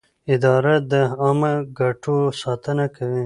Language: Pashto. اداره د عامه ګټو ساتنه کوي.